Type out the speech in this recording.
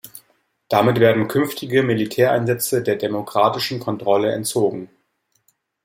Damit werden künftige Militäreinsätze der demokratischen Kontrolle entzogen.